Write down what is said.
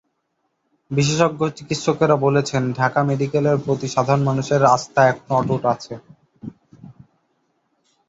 বিশেষজ্ঞ চিকিৎসকেরা বলছেন, ঢাকা মেডিকেলের প্রতি সাধারণ মানুষের আস্থা এখনো অটুট আছে।